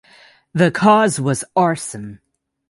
The cause was arson.